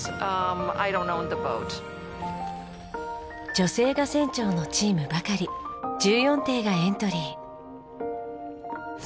女性が船長のチームばかり１４艇がエントリー。